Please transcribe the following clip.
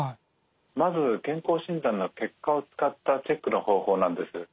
まず健康診断の結果を使ったチェックの方法なんです。